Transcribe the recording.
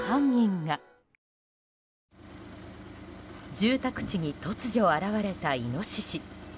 住宅地に突如現れたイノシシ。